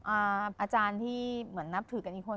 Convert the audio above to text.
อาจารย์ที่เหมือนนับถือกันอีกคน